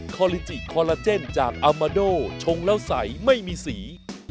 คอลิจิคอลลาเจนจากอามาโดชงแล้วใสไม่มีสี